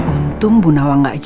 utama sekali nih rem